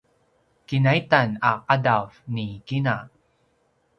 kinaitan a qadav ni kina